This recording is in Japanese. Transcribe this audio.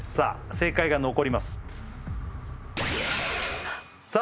正解が残りますさあ